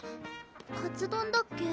カツドンだっけ？